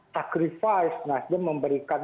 takrifis nasden memberikan